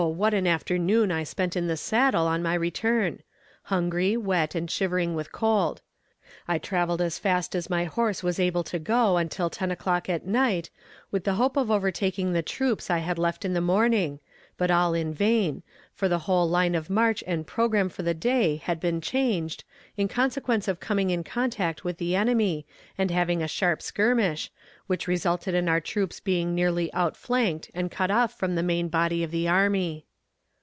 what an afternoon I spent in the saddle on my return; hungry, wet, and shivering with cold. I traveled as fast as my horse was able to go until ten o'clock at night, with the hope of overtaking the troops I had left in the morning, but all in vain, for the whole line of march and programme for the day had been changed, in consequence of coming in contact with the enemy and having a sharp skirmish, which resulted in our troops being nearly outflanked and cut off from the main body of the army.